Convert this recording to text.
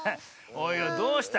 おいおいどうした？